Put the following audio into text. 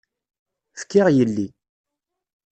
Fkiɣ yelli.